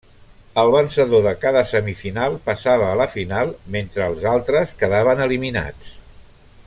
El vencedor de cada semifinal passava a la final, mentre els altres quedaven eliminats.